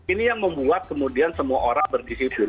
ini yang membuat kemudian semua orang berdisiplin